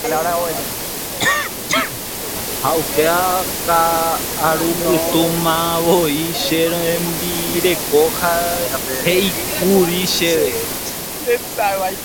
Ha upe ka'arupytũmemavoi che rembireko he'íkuri chéve.